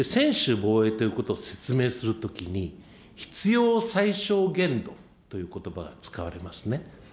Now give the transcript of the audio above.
専守防衛ということを説明するときに、必要最小限度ということばが使われますね。